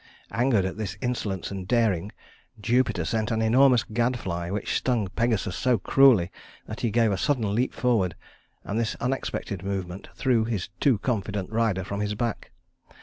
Angered at this insolence and daring, Jupiter sent an enormous gadfly which stung Pegasus so cruelly that he gave a sudden leap forward, and this unexpected movement threw his too confident rider from his back.